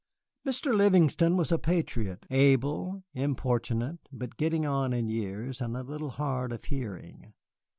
Mr. Livingston was a patriot, able, importunate, but getting on in years and a little hard of hearing.